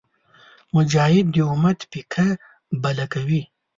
مجاهد د امت پیکه بله کوي.